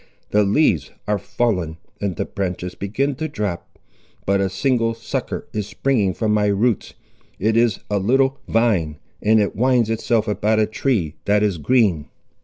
The leaves are fallen, and the branches begin to drop. But a single sucker is springing from my roots; it is a little vine, and it winds itself about a tree that is green.